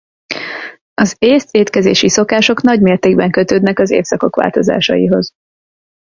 Az észt étkezési szokások nagy mértékben kötődnek az évszakok változásaihoz.